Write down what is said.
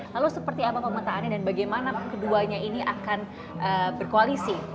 lalu seperti apa pemetaannya dan bagaimana keduanya ini akan berkoalisi